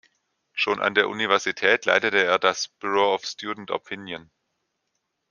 Schon an der Universität leitete er das "Bureau of Student Opinion".